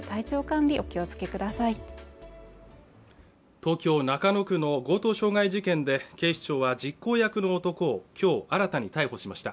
東京・中野区の強盗傷害事件で警視庁は実行役の男をきょう新たに逮捕しました